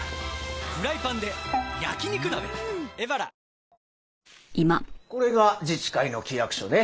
ニトリこれが自治会の規約書ね。